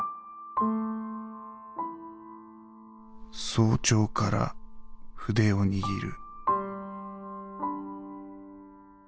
「早朝から筆を握る」。